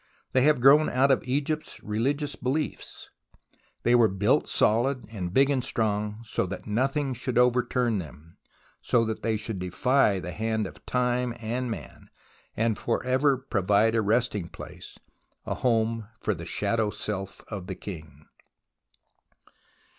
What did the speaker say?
They have grown out of Egypt's religious beliefs. They were built solid and big and strong, so that nothing should overturn them, so that they should defy the hand of Time and Man, and forever provide a resting place, a home for the shadow self of the King.